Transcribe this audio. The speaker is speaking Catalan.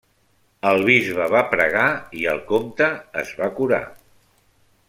El bisbe va pregar i el comte es va curar.